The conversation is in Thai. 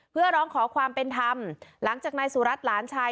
เพื่อร้องขอความเป็นธรรมหลังจากนายสุรัตน์หลานชาย